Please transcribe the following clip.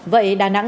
vậy đà nẵng